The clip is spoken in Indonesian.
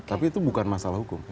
tapi itu bukan masalah hukum